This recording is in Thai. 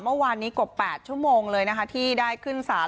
เมื่อวานนี้กว่า๘ชั่วโมงเลยนะคะที่ได้ขึ้นสาร